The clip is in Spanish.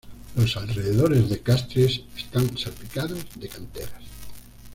Los alrededores de Castries están salpicados de canteras.